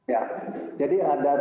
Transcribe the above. ya jadi ada